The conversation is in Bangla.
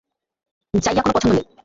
জাইয়া কোন পছন্দ নেই।